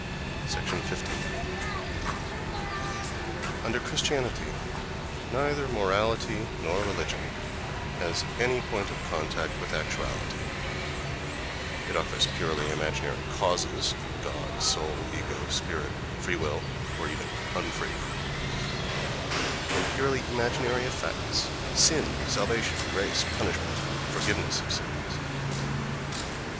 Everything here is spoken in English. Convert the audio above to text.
15. Under Christianity neither morality nor religion has any point of contact with actuality. It offers purely imaginary causes ("God," "soul," "ego," "spirit," "free will"—or even "unfree"), and purely imaginary effects ("sin," "salvation," "grace," "punishment," "forgiveness of sins").